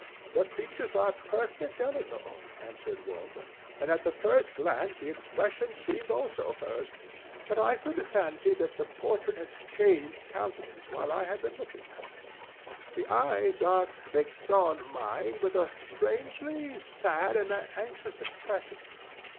"The features are perfect Elinor," answered Walter, "and at the first glance the expression seemed also hers; but I could fancy that the portrait has changed countenance while I have been looking at it. The eyes are fixed on mine with a strangely sad and anxious expression.